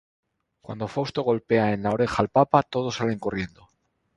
Cuando Fausto golpea en la oreja al Papa, todos salen corriendo.